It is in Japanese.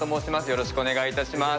よろしくお願いします。